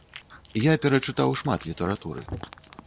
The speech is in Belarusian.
Я перачытаў шмат літаратуры.